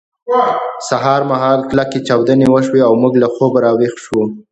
سهار مهال کلکې چاودنې وشوې او موږ له خوبه راویښ شوو